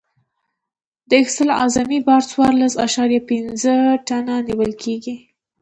د اکسل اعظمي بار څوارلس اعشاریه پنځه ټنه نیول کیږي